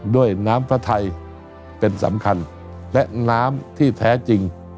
ด้วยน้ำพระไทยเป็นสำคัญและน้ำที่แท้จริง